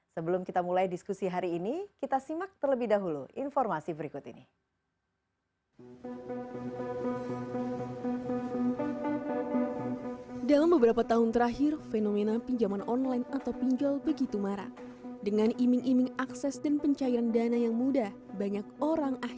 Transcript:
sebelum kita mulai diskusi hari ini kita simak terlebih dahulu informasi berikut ini